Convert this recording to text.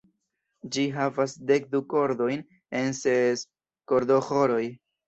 Ĝi havas dekdu kordojn en ses kordoĥoroj.